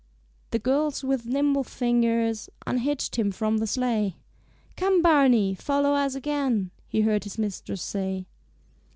The girls with nimble fingers Unhitched him from the sleigh; "Come, Barney! Follow us again," He heard his mistress say.